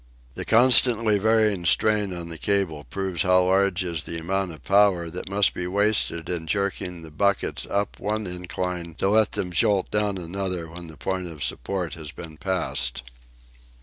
The constantly varying strain on the cable proves how large is the amount of power that must be wasted in jerking the buckets up one incline to let them jolt down another when the point of support has been passed.